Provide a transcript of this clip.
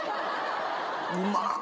うまっ！